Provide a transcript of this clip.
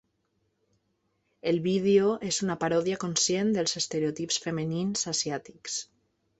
El vídeo és una paròdia conscient dels estereotips femenins asiàtics.